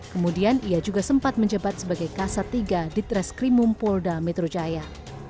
kemudian ia juga sempat menjabat sebagai kasatiga ditreskrimumpolda metro jaya